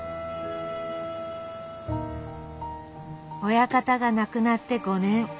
親方が亡くなって５年。